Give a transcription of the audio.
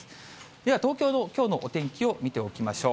では、東京のきょうのお天気を見ておきましょう。